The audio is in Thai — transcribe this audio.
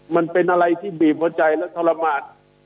มันเป็นอะไรที่บีบหัวใจและทรมาน